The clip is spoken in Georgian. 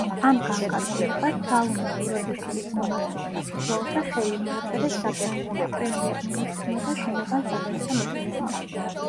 ამ განკარგულებას სალომე ზურაბიშვილის მიმართვის საფუძველზე ხელი მოაწერეს საფრანგეთის პრემიერ-მინისტრმა და შინაგან საქმეთა მინისტრმა.